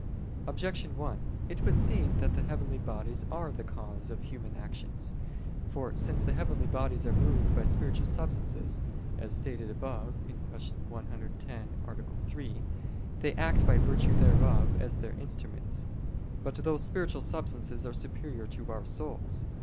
Objection 1: It would seem that the heavenly bodies are the cause of human actions. For since the heavenly bodies are moved by spiritual substances, as stated above (Q. 110, A. 3), they act by virtue thereof as their instruments. But those spiritual substances are superior to our souls.